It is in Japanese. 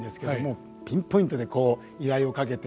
ピンポイントでこう依頼をかけて。